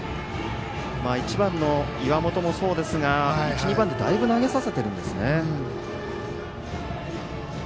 １番の岩本もそうですが１、２番でだいぶ投げさせてるんですね。